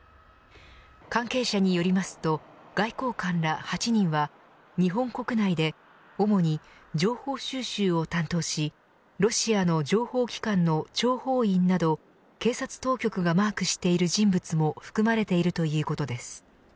関係者によりますと外交官ら８人は日本国内で主に情報収集を担当しロシアの情報機関の諜報員など警察当局がマークしている人物も含まれているということです。